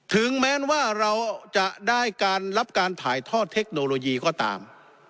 ถึงแม้ว่าเราจะได้การรับการถ่ายทอดเทคโนโลยีก็ตาม